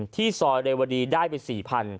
ที่ซอยเรวดีได้ไป๔๐๐๐